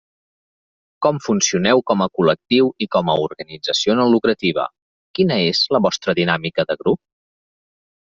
Com funcioneu com a col·lectiu i com a organització no lucrativa: quina és la vostra dinàmica de grup?